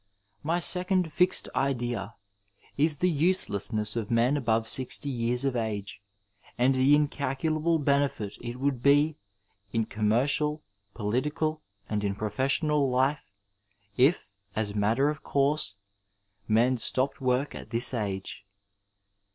My second fixed idea is the uaelessness of men above six^ years of age, and the incalculable benefit it would be in commercial, political and in professional life if , as a matter 39d Digitized by VjOOQIC THE FIXED PERIOD of oourse, men stopped work at this age.